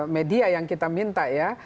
media yang kita minta ya